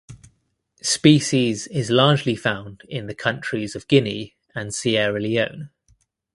Species is largely found in the countries of Guinea and Sierra Leone.